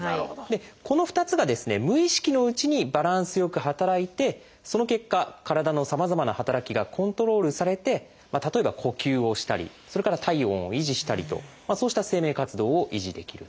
この２つが無意識のうちにバランスよく働いてその結果体のさまざまな働きがコントロールされて例えば呼吸をしたり体温を維持したりとそうした生命活動を維持できるんです。